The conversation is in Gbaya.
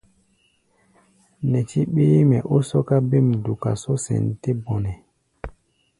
Nɛtí ɓéémɛ ó sɔ́ká bêm duka só sɛn tɛ́ bɔnɛ.